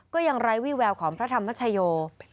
ก็ยังไร้วี่แววของพระธรรมชโย